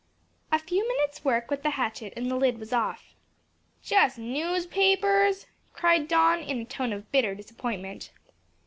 A few minutes' work with the hatchet and the lid was off. "Just newspapers!" cried Don, in a tone of bitter disappointment.